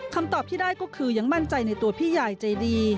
คำตอบที่ได้ก็คือยังมั่นใจในตัวพี่ใหญ่ใจดี